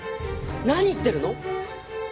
何言ってるの！？